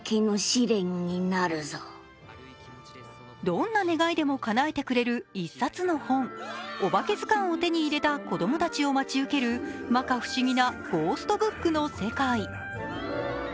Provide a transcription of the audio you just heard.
どんな願いでもかなえてくれる一冊の本、「おばけずかん」を手に入れた子供たちを待ち受ける摩訶不思議なゴーストブックの世界。